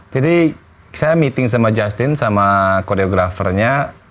jadi saya meeting sama justin sama choreographernya